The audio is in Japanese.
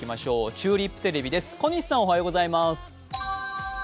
チューリップテレビです。